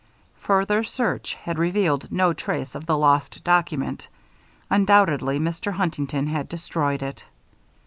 Further search had revealed no trace of the lost document. Undoubtedly Mr. Huntington had destroyed it.